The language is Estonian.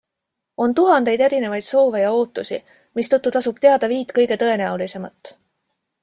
On tuhandeid erinevaid soove ja ootusi, mistõttu tasub teada viit kõige tõenäolisemat.